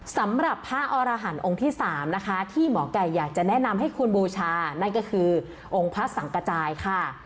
สำหรับพระอรหันต์องค์ที่๓นะคะที่หมอไก่อยากจะแนะนำให้คุณบูชานั่นก็คือองค์พระสังกระจายค่ะ